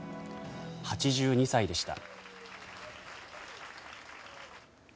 ８２歳でした。